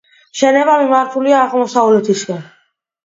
შენობა მიმართულია აღმოსავლეთისკენ.